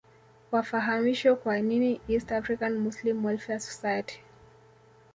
wafahamishwe kwa nini East African Muslim Welfare Society